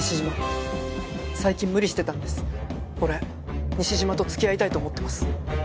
俺西島と付き合いたいと思ってます。